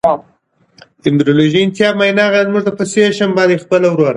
په کارونو کې له نورو سره مشوره کول د بریا لاره ده.